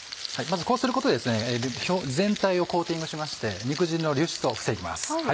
まずこうすることで全体をコーティングしまして肉汁の流出を防ぎます。